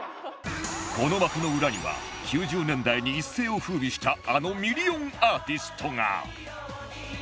この幕の裏には９０年代に一世を風靡したあのミリオンアーティストが